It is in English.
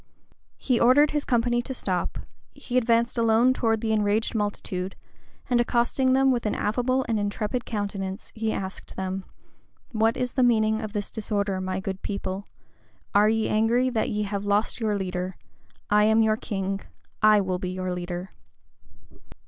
He ordered his company to stop; he advanced alone towards the enraged multitude, and accosting them with an affable and intrepid countenance, he asked them, "What is the meaning of this disorder my good people? Are ye angry that ye have lost your leader? I am your king: I will be your leader."